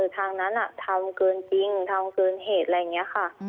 ทางนั้นทำเกินจริงทำเกินเหตุอะไรอย่างนี้ค่ะ